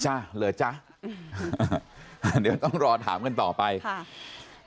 จ้าหรือจ้าเดี๋ยวต้องรอถามกันต่อไปค่ะ